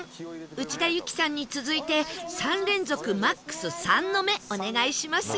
内田有紀さんに続いて３連続マックス「３」の目お願いしますよ